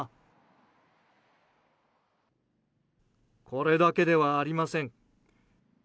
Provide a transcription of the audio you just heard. これだけではありません。